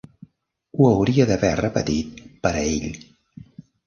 Ho hauria d'haver repetit per a ell.